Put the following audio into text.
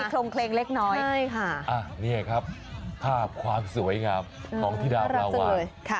โครงเคลงเล็กน้อยใช่ค่ะนี่ครับภาพความสวยงามของธิดาปลาวาน